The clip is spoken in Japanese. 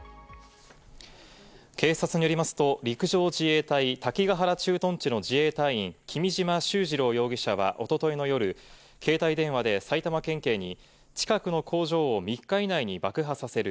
警察によりますと、陸上自衛隊・滝ヶ原駐屯地の自衛隊員、君島秀治郎容疑者はおとといの夜、携帯電話で埼玉県警に近くの工場を３日以内に爆破させる。